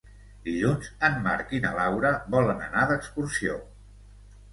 Dilluns en Marc i na Laura volen anar d'excursió.